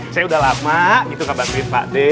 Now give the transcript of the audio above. saya udah lama itu ngebantuin pak ade